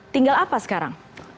tinggal apa sekarang